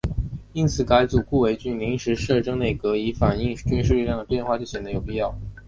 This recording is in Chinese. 因此改组顾维钧临时摄政内阁以反映军事力量的变化就显得有必要。